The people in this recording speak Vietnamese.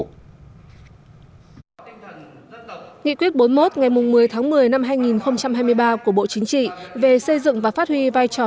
nghị quyết bốn mươi một ngày một mươi tháng một mươi năm hai nghìn hai mươi ba của bộ chính trị về xây dựng và phát huy vai trò